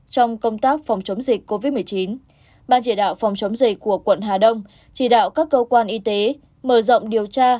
trong công tác phòng chống dịch covid một mươi chín ban chỉ đạo phòng chống dịch của quận hà đông chỉ đạo các cơ quan y tế mở rộng điều tra